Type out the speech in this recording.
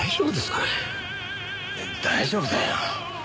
いや大丈夫だよ。